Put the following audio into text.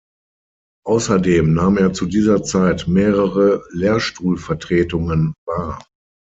Außerdem nahm er zu dieser Zeit mehrere Lehrstuhlvertretungen wahr.